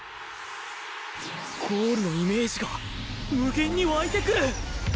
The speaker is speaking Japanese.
ゴールのイメージが無限に湧いてくる！